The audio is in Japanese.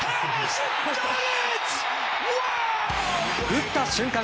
打った瞬間